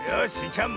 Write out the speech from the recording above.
ちゃん